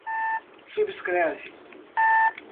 subscreve